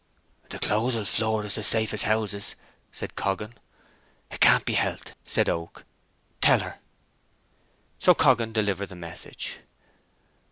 "The clothes will floor us as safe as houses!" said Coggan. "It can't be helped," said Oak. "Tell her." So Coggan delivered the message.